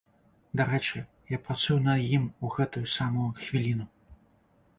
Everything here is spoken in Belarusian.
Дарэчы, я працую над ім у гэтую самую хвіліну.